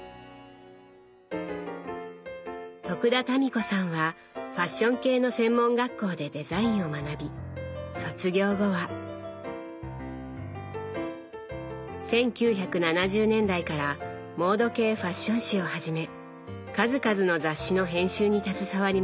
田民子さんはファッション系の専門学校でデザインを学び卒業後は１９７０年代からモード系ファッション誌をはじめ数々の雑誌の編集に携わりました。